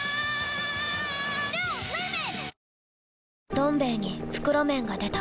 「どん兵衛」に袋麺が出た